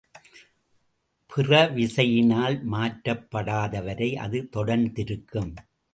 புறவிசையினால் மாற்றப்படாதவரை அது தொடர்ந்திருக்கும்.